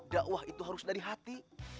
dakwah itu harus dari hati